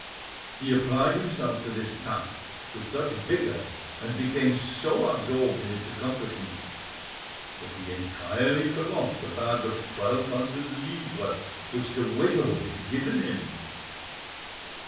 He applied himself to this task with such vigour, and became so absorbed in its accomplishment, that he entirely forgot the bag of twelve hundred livres which the widow had given him.